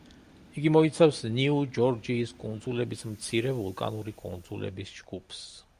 იგი მოიცავს ნიუ-ჯორჯიის კუნძულების მცირე ვულკანური კუნძულების ჯგუფს.